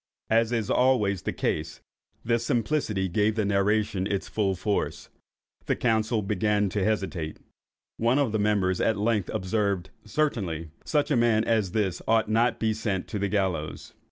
As is always the case, this simplicity gave the narration its full force. The council began to hesitate. One of the members at length observed—"Certainly such a man as this ought not to be sent to the gallows."